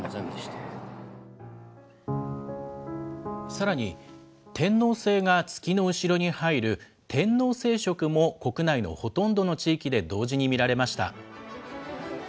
さらに、天王星が月の後ろに入る天王星食も国内のほとんどの地域で同時に見られました。